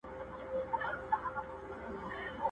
تا خو جهاني د سباوون په تمه ستړي کړو!